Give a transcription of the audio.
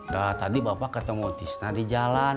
dah tadi bapak kata ngutisna di jalan